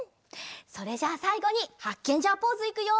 それじゃあさいごにハッケンジャーポーズいくよ！